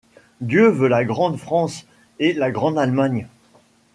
Dieu veut la grande France et la grande Allemagne.